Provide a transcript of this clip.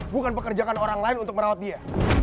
bukan pekerjaan orang lain untuk merawat dia